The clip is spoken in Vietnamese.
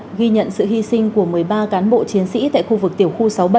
hôm nay là ngày một mươi ba tháng một mươi của một mươi ba cán bộ chiến sĩ tại khu vực tiểu khu sáu mươi bảy